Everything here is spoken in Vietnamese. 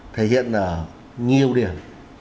thể hiện ở nhiều điểm